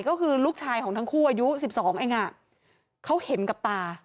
ก็คือลูกชายของทั้งคู่อายุ๑๒เองเขาเห็นกับตา